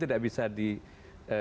tidak bisa juga